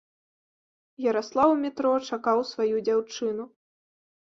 Яраслаў у метро чакаў сваю дзяўчыну.